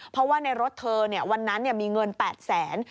เพราะว่าในรถเธอเนี่ยวันนั้นมีเงิน๘๐๐๐๐๐บาท